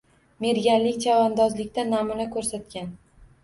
Merganlik, chavandozlikda namuna koʻrsatgan